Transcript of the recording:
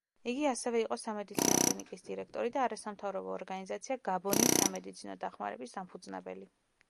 იგი ასევე იყო სამედიცინო კლინიკის დირექტორი და არასამთავრობო ორგანიზაცია „გაბონის სამედიცინო დახმარების“ დამფუძნებელი.